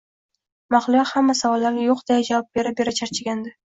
Mahliyo hamma savollarga yo`q deya javob bera-bera charchagandi